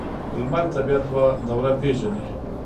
لمر د طبیعت دوره پیژني.